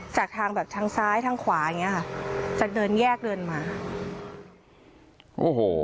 จากทางแบบทางซ้ายทางขวาอย่างเงี้ยค่ะจะเดินแยกเดินมาโอ้โห